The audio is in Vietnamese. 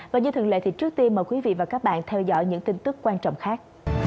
và như thường lệ thì trước tiên mời quý vị và các bạn theo dõi những tin tức quan trọng khác